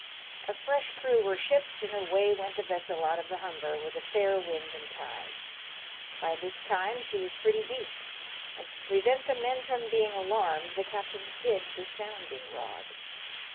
A fresh crew were shipped, and away went the vessel out of the Humber with a fair wind and tide. By this time she was pretty deep, and to prevent the men from being alarmed the captain hid the sounding rod.